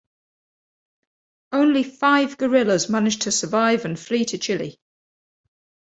Only five guerrillas managed to survive and flee to Chile.